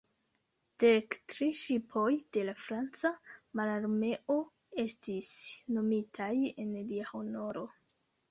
Dek tri ŝipoj de la Franca Mararmeo estis nomitaj en lia honoro.